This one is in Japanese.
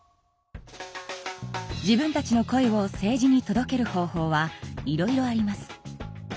自分たちの声を政治に届ける方法はいろいろあります。